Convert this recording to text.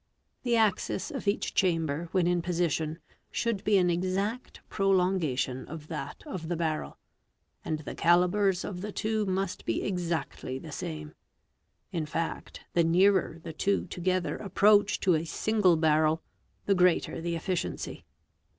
The axis of each chamber when in position should be an exact prolonga tion of that of the barrel; and the calibres of the two must be exactly the same: in fact the nearer the two together approach to a single barrel, the greater the efficiency.